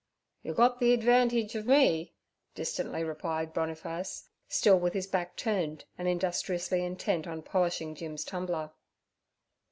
'Yor got the idvantige ov me' distantly replied Boniface, still with his back turned and industriously intent on polishing Jim's tumbler.